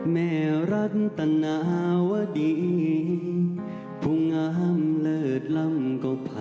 แม่รัตนาวดีผู้งามเลิศล่ำก็พัน